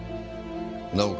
なおかつ